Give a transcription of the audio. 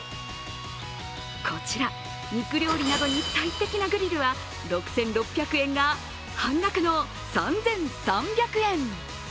こちら肉料理などに最適なグリルは６６００円が半額の３３００円。